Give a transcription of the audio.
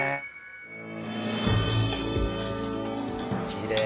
きれい！